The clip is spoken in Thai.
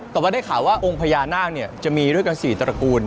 แต่ว่าได้ข่าวว่าองค์พญานาคจะมีด้วยกัน๔ตระกูล